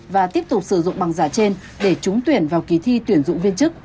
và tiếp tục sử dụng bằng giả trên để trúng tuyển vào kỳ thi tuyển dụng viên chức